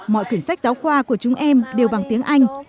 mọi quyển sách giáo khoa của chúng em đều bằng tiếng anh